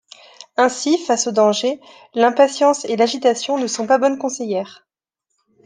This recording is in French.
Ainsi face au danger, l’impatience et l’agitation ne sont pas bonnes conseillères.